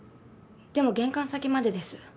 でも玄関先までです。